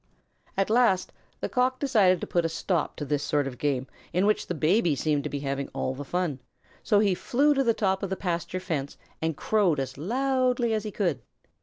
At last the Cock decided to put a stop to this sort of game, in which the Baby seemed to be having all the fun, so he flew to the top of the pasture fence and crowed as loudly as he could.